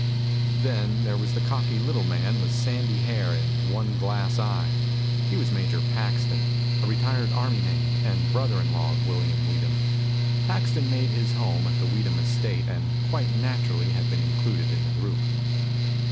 Then there was a cocky little man with sandy hair and one glass eye. He was Major Paxton, a retired army man and brother in law of William Weedham. Paxton made his home at the Weedham estate and quite naturally had been included in the group.